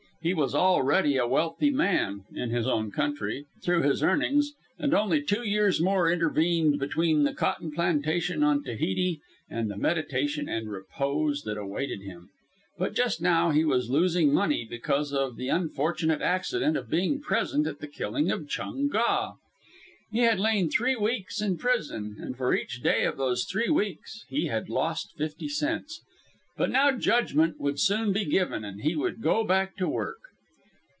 He was already a wealthy man (in his own country) through his earnings, and only two years more intervened between the cotton plantation on Tahiti and the meditation and repose that awaited him. But just now he was losing money because of the unfortunate accident of being present at the killing of Chung Ga. He had lain three weeks in prison, and for each day of those three weeks he had lost fifty cents. But now judgment would soon be given, and he would go back to work.